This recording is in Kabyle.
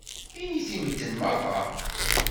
Init i medden meṛṛa.